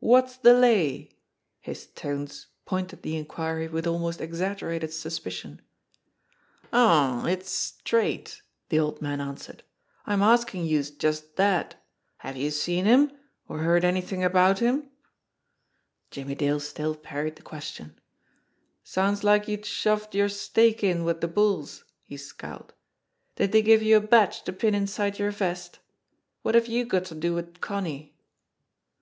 "What's the lay?" His tones pointed the inquiry with almost exaggerated suspicion. "Aw, it's straight!" the old man answered. "I'm askin' youse just dat. Have youse seen him, or heard anythin* about him?" Jimmie Dale still parried the question. "Sounds like you'd shoved your stake in with the bulL,*' he scowled. "Did they give you a badge to pin inside your vest? What have you got to do with Connie?"